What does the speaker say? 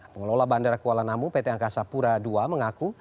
pengelola bandara kuala namu pt angkasa pura ii mengaku